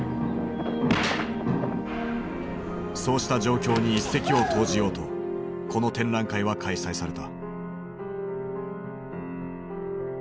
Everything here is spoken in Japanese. そうした状況に一石を投じようとこの展覧会は開催された。